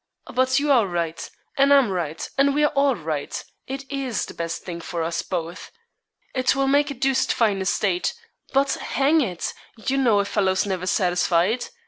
But you are right and I'm right, and we are all right it is the best thing for us both. It will make a deuced fine estate; but hang it! you know a fellow's never satisfied.